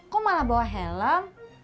kok malah bawa helm